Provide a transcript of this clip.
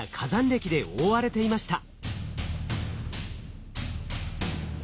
れきで覆われていました。